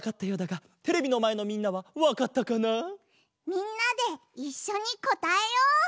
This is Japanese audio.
みんなでいっしょにこたえよう！